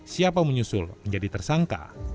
siapa menyusul menjadi tersangka